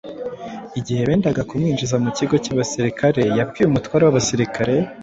Igihe bendaga kumwinjiza mu kigo cy’abasirikare yabwiye umutware w’abasirikare